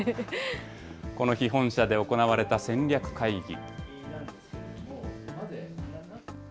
この日、本社で行われた戦略会議。